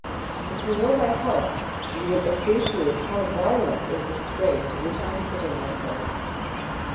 If you know my heart you will appreciate how violent is the strain to which I am putting myself.